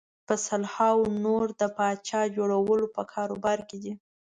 په سلهاوو نور د پاچا جوړولو په کاروبار کې دي.